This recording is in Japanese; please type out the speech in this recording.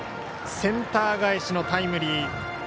センター返しのタイムリー。